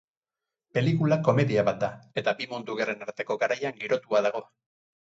Pelikula komedia bat da eta bi mundu gerren arteko garaian girotua dago.